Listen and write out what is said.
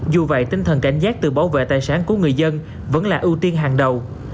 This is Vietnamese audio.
dù vậy tinh thần cảnh giác tự bảo vệ tài sản của người dân vẫn là ưu tiên hàng đầu